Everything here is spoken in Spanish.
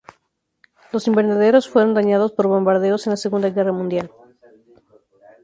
Los invernaderos fueron dañados por bombardeos en la Segunda Guerra Mundial.